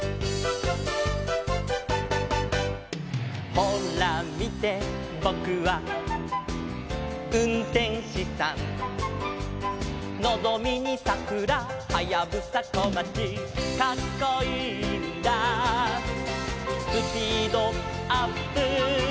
「ほらみてボクはうんてんしさん」「のぞみにさくらはやぶさこまち」「カッコいいんだスピードアップ」